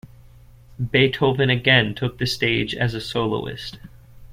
Beethoven again took the stage as soloist.